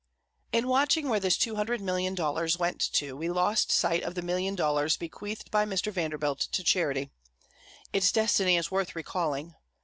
In watching where this $200,000,000 went to, we lost sight of the million dollars bequeathed by Mr. Vanderbilt to charity. Its destiny is worth recalling.